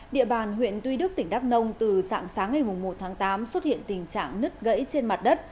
địa bàn huyện tuy đức tỉnh đắk nông từ sáng sáng ngày một tháng tám xuất hiện tình trạng nứt gãy trên mặt đất